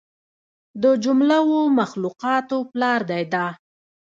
د جمله و مخلوقاتو پلار دى دا.